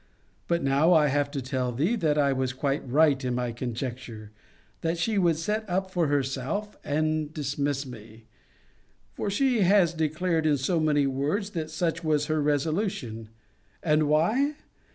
But now I have to tell thee, that I was quite right in my conjecture, that she would set up for herself, and dismiss me: for she has declared in so many words that such was her resolution: And why?